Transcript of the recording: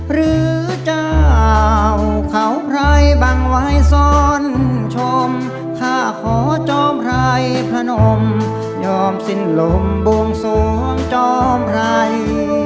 หรือเจ้าเขาไพรบังไว้ซ่อนชมถ้าขอจอมไพรพระนมยอมสิ้นลมบวงสวงจอมไพร